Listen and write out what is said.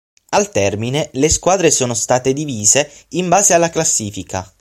Al termine, le squadre sono state divise in base alla classifica.